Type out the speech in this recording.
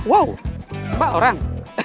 wow mbak orang